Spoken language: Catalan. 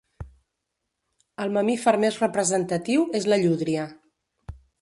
El mamífer més representatiu és la llúdria.